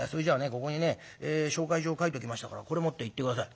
ここにね紹介状書いときましたからこれ持って行って下さい」。